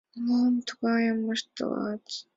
— Мом тугайым ыштылат?